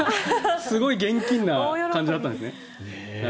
すごい現金な感じだったんですね。